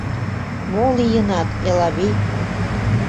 Мо лийынат, Элавий?